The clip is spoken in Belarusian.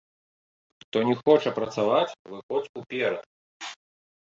Хто не хоча працаваць, выходзь уперад!